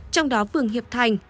trong đó phường hiệp thành